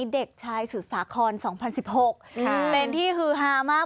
เด็กชายสุษศาครสองพันสิบหกค่ะเป็นที่หือหามาก